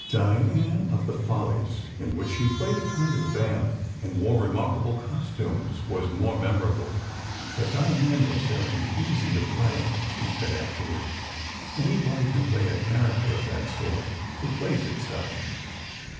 "Diane of the Follies," in which she played a kind of vamp and wore remarkable costumes, was more memorable. "But Diane was very easy to play," she said afterwards. "Anybody can play a character of that sort—it plays itself.